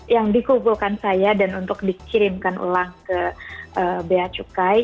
yang dikumpulkan saya dan untuk dikirimkan ulang ke bea cukai